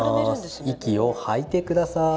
息を吐いてください。